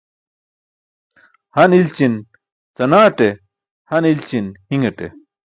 Han i̇lćin canaṭe, han i̇lći̇n hi̇ṅate.